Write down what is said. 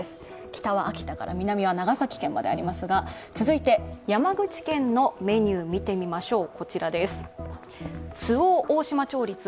北は秋田から南は長崎県までありますが続いて山口県のメニューを見てみましょう。